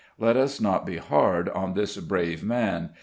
Let us not be hard on this brave man.